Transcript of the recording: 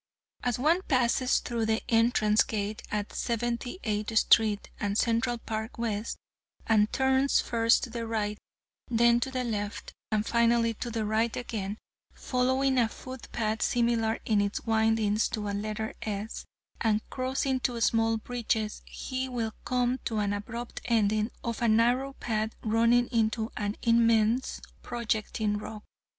As one passes through the entrance gate at Seventy eighth street and Central Park West, and turns first to the right, then to the left, and finally to the right again, following a foot path similar in its windings to a letter S, and crossing two small bridges, he will come to an abrupt ending of a narrow path running into an immense projecting rock.